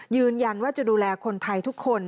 ยืนยันว่าจะดูแลคนไทยทุกคน